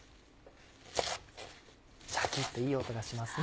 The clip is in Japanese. シャキっといい音がしますね。